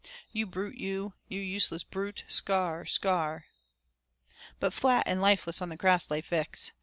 "You brute you, you useless brute, scarrr scarrrr." But flat and lifeless on the grass lay Vix.